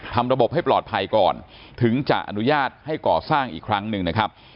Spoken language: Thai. ระบบให้ปลอดภัยก่อนถึงจะอนุญาตให้ก่อสร้างอีกครั้งหนึ่งนะครับ